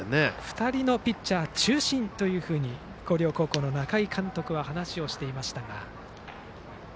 ２人のピッチャー中心と広陵高校の中井監督は話をしていましたが。